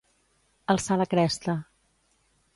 Alçar la cresta.